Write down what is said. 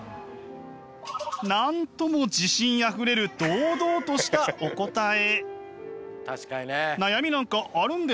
なんとも自信あふれる堂々としたお答え。